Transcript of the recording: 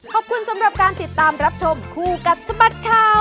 ขอบคุณสำหรับการติดตามรับชมคู่กับสบัดข่าว